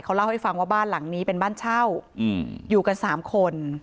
เล่าให้ฟังว่าบ้านหลังนี้เป็นบ้านเช่าอยู่กัน๓คน